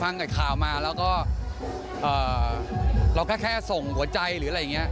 กับข่าวมาแล้วก็เราแค่แค่ส่งหัวใจหรืออะไรอย่างนี้